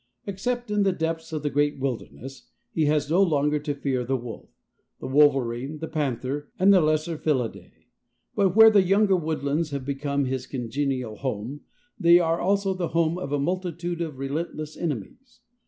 Except in the depths of the great wildernesses, he has no longer to fear the wolf, the wolverine, the panther, and the lesser felidæ, but where the younger woodlands have become his congenial home, they are also the home of a multitude of relentless enemies.